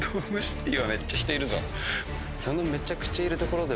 そのめちゃくちゃいるところで